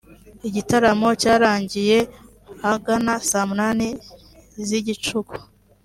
Igitaramo cyarangiye ahagana saa munani z’igicuku